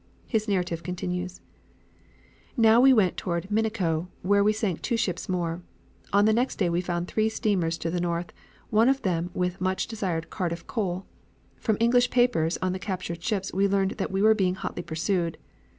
His narrative continues: "Now we went toward Miniko, where we sank two ships more. On the next day we found three steamers to the north, one of them with much desired Cardiff coal. From English papers on the captured ships we learned that we were being hotly pursued.